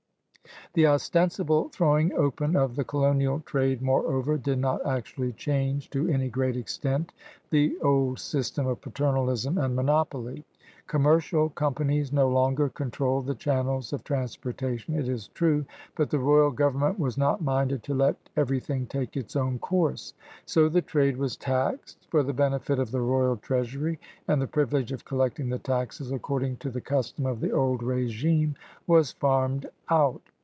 The ostensible throwing open of the colonial trade, moreover, did not actually change to any great extent the old system of paternalism and monopoly. Commercial companies no longer con trolled the channels of transportation, it is true, but the royal government was not minded to let everything take its own course. So the trade was taxed for the benefit of the royal treasury, and the privilege of collecting the taxes, according to the custom of the old regime, was farmed out.